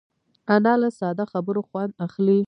انا له ساده خبرو خوند اخلي